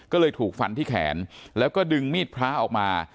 ก็เลยถูกฟันที่แขนแล้วก็ดึงมีดพระออกมา